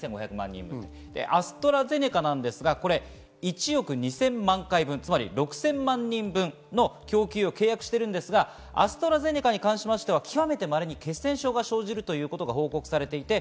アストラゼネカですが、１億２０００万回分、６０００万人分の供給を契約していますが、アストラゼネカに関しては極めて稀に血栓症が生じるということが報告されています。